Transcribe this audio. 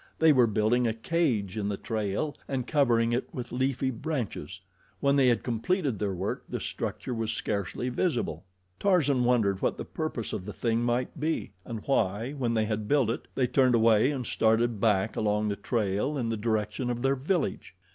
They were building a cage in the trail and covering it with leafy branches. When they had completed their work the structure was scarcely visible. Tarzan wondered what the purpose of the thing might be, and why, when they had built it, they turned away and started back along the trail in the direction of their village.